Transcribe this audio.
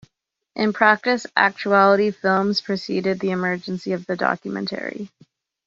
In practice, actuality films preceded the emergence of the documentary.